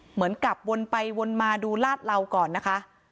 เหมือนกับวนไปวนมาดูลาดเหลาก่อนนะคะ